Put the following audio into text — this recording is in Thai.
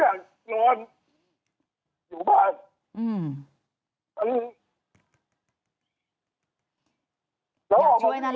อ่าอ่าอ่าอ่าอ่า